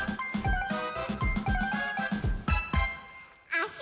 あし！